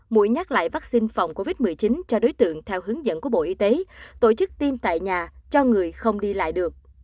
mũi nhắc lại vaccine phòng covid một mươi chín cho đối tượng theo hướng dẫn của bộ y tế tổ chức tiêm tại nhà cho người không đi lại được